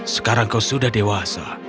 sekarang kau sudah dewasa